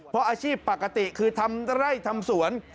เพราะอาชีพปกติคือทำไร่ทำสวน